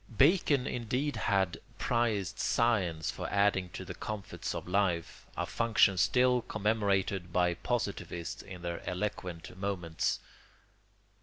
Bacon indeed had prized science for adding to the comforts of life, a function still commemorated by positivists in their eloquent moments.